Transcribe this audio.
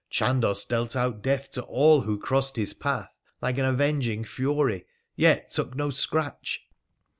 Chandos dealt out death to all who crossed his path, like an avenging fury, yet took no scratch.